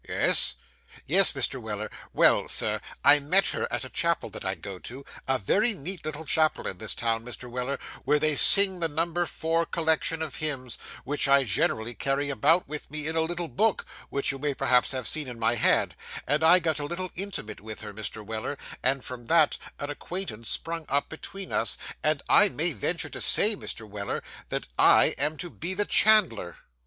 Yes.' 'Yes, Mr. Weller. Well, Sir, I met her at a chapel that I go to; a very neat little chapel in this town, Mr. Weller, where they sing the number four collection of hymns, which I generally carry about with me, in a little book, which you may perhaps have seen in my hand and I got a little intimate with her, Mr. Weller, and from that, an acquaintance sprung up between us, and I may venture to say, Mr. Weller, that I am to be the chandler.